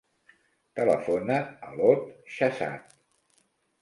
Telefona a l'Ot Shahzad.